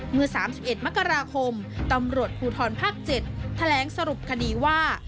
เมื่อ๓๑มกราคมตำรวจภูทรภาค๗แถลงสรุปคดีว่า